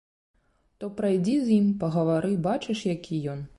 То прайдзі з ім, пагавары, бачыш, які ён?